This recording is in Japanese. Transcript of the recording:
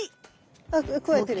ああくわえてる。